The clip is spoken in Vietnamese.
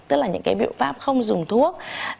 tức là những biểu pháp không dùng thuốc